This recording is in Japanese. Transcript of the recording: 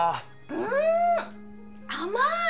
うん甘い！